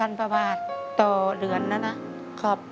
และต่อเดือนนะครับ